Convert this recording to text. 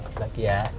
selamat pagi ya